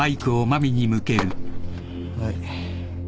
はい」